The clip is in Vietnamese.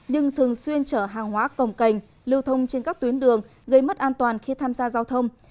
nhưng thường xuyên chở hàng hóa cồng cành lưu thông trên các tuyến đường gây mất an toàn khi tham gia giao thông